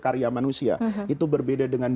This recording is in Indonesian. karya manusia itu berbeda dengan